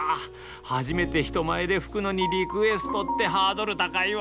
初めて人前で吹くのにリクエストってハードル高いわ！